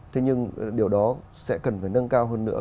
thế nhưng điều đó sẽ cần phải nâng cao hơn nữa